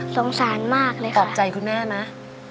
สงสารมากเลยค่ะปลอบใจคุณแม่ไหม